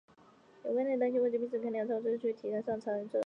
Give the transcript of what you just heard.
有官吏担心未经批准开粮仓会被追究而提出先上奏朝廷。